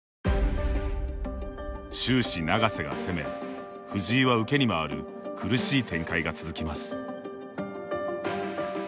終始、永瀬が攻め藤井は受けに回る苦しい展開が続きます。